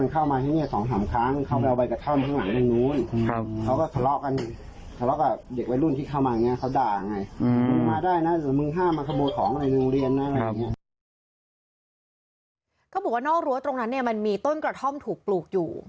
เขาบอกว่านอกรั้วตรงนั้นเนี่ยมันมีต้นกระท่อมถูกปลูกอยู่